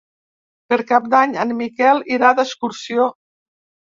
Per Cap d'Any en Miquel irà d'excursió.